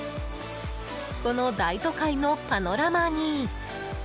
この大都会のパノラマに。